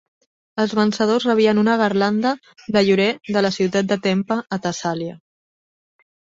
Els vencedors rebien una garlanda de llorer de la ciutat de Tempe a Tessàlia.